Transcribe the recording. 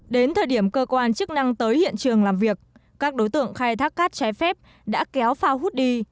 đến thời điểm cơ quan chức năng tới hiện trường làm việc các đối tượng khai thác cát trái phép đã kéo phao hút đi